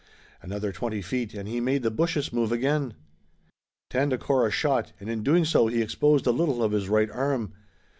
Another twenty feet and he made the bushes move again. Tandakora shot, and in doing so he exposed a little of his right arm.